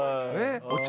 お茶